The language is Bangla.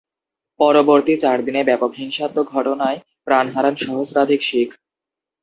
পরবর্তী চার দিনে ব্যাপক হিংসাত্মক ঘটনায় প্রাণ হারান সহস্রাধিক শিখ।